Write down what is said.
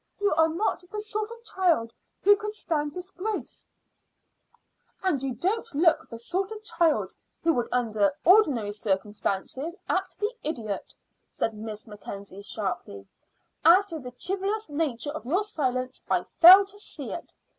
You are not the sort of child who could stand disgrace." "And you don't look the sort of child who would under ordinary circumstances act the idiot," said Miss Mackenzie sharply. "As to the chivalrous nature of your silence, I fail to see it.